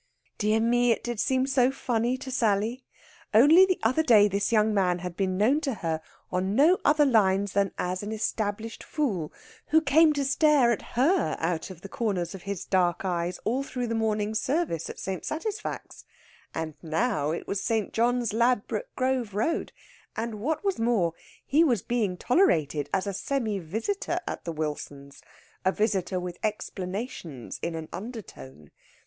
Dear me, it did seem so funny to Sally! Only the other day this young man had been known to her on no other lines than as an established fool, who came to stare at her out of the corners of his dark eyes all through the morning service at St. Satisfax. And now it was St. John's, Ladbroke Grove Road, and, what was more, he was being tolerated as a semi visitor at the Wilsons' a visitor with explanations in an undertone.